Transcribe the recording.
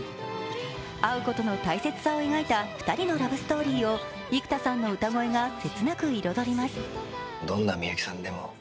会うことの大切さを描いた２人のラブストーリーを幾田さんの歌声が切なく彩ります。